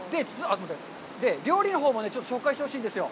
料理のほうも紹介してほしいんですよ。